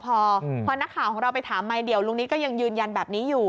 พอนักข่าวของเราไปถามไมค์เดี่ยวลุงนิดก็ยังยืนยันแบบนี้อยู่